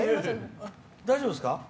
大丈夫ですか？